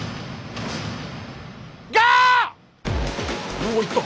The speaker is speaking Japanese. おお行った。